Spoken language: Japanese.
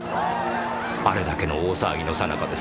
あれだけの大騒ぎの最中です。